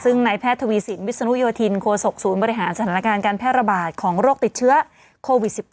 ซึ่งนายแพทย์ทวีสินวิศนุโยธินโคศกศูนย์บริหารสถานการณ์การแพร่ระบาดของโรคติดเชื้อโควิด๑๙